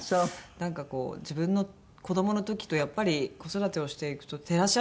なんかこう自分の子どもの時とやっぱり子育てをしていくと照らし合わせるんですよね。